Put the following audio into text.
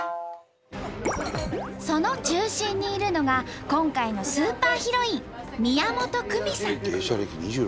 その中心にいるのが今回のスーパーヒロイン芸者歴２６年。